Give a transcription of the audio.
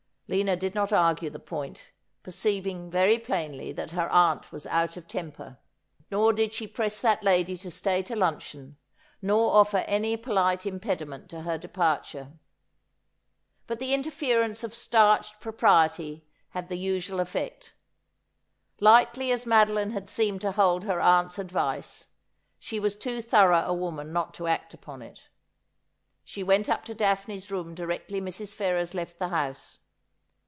Lina did not argue the point, perceiving very plainly that her aunt was out of temper. Nor did she press that lady to stay to luncheon, nor offer any polite impediment to her depar ture. But the interference of starched propriety had the usual efiect. Lightly as Madoline had seemed to hold her aunt's advice, she was too thorough a woman not to act upon it. She went up to Daphne's room directly Mrs. Ferrers left the house.